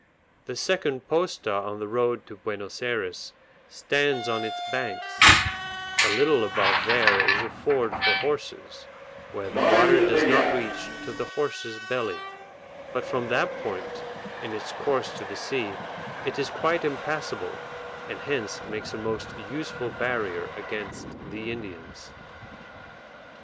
The second posta on the road to Buenos Ayres stands on its banks, a little above there is a ford for horses, where the water does not reach to the horses' belly; but from that point, in its course to the sea, it is quite impassable, and hence makes a most useful barrier against the Indians.